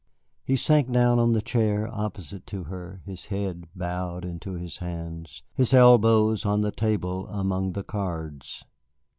He sank down on the chair opposite to her, his head bowed into his hands, his elbows on the table among the cards.